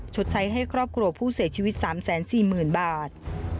ใช้ให้ครอบครัวผู้เสียชีวิต๓๔๐๐๐บาท